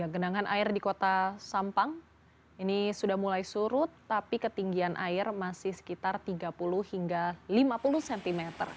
genangan air di kota sampang ini sudah mulai surut tapi ketinggian air masih sekitar tiga puluh hingga lima puluh cm